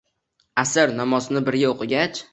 Asr namozini birga o'qigach